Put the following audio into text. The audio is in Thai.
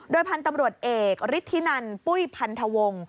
พันธุ์ตำรวจเอกฤทธินันปุ้ยพันธวงศ์